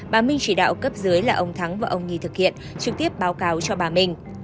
bà minh chỉ đạo cấp dưới là ông thắng và ông nhì thực hiện trực tiếp báo cáo cho bà minh